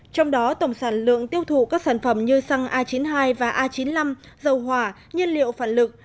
trong đó tổng sản lượng tiêu thụ các sản phẩm như xăng a chín mươi hai và a chín mươi năm dầu hỏa nhiên liệu phản lực